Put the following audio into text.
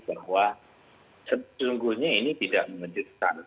bahwa sesungguhnya ini tidak mengejutkan